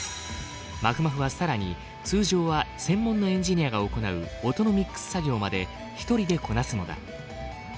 まふまふは更に通常は専門のエンジニアが行う音のミックス作業まで１人でこなすのだ。